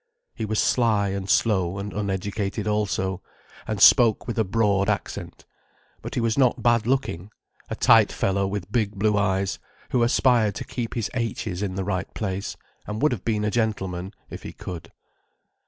He was sly and slow and uneducated also, and spoke with a broad accent. But he was not bad looking, a tight fellow with big blue eyes, who aspired to keep his "h's" in the right place, and would have been a gentleman if he could.